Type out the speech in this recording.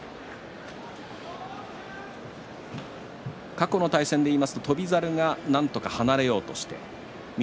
過去の対戦でいいますと翔猿がなんとか離れようとして翠